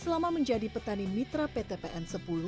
selama menjadi petani mitra pt pn sepuluh